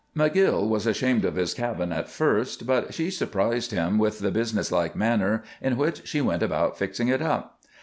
McGill was ashamed of his cabin at first, but she surprised him with the business like manner in which she went about fixing it up.